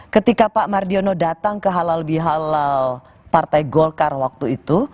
ketika pak mardiono datang ke halal bihalal partai golkar waktu itu